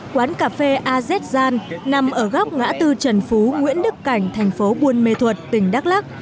quán cà phê a z gian nằm ở góc ngã tư trần phú nguyễn đức cảnh thành phố buôn mê thuật tỉnh đắk lắc